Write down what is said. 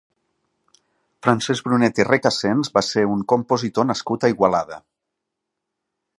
Francesc Brunet i Recasens va ser un compositor nascut a Igualada.